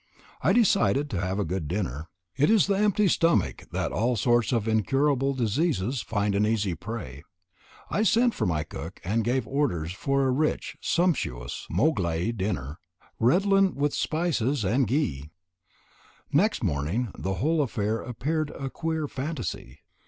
I decided to have a good dinner it is the empty stomach that all sorts of incurable diseases find an easy prey. I sent for my cook and gave orders for a rich, sumptuous moghlai dinner, redolent of spices and ghi. Next morning the whole affair appeared a queer fantasy.